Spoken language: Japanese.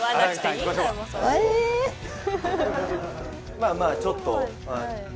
まあまあちょっと。